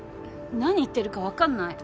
何言ってるかわかんない。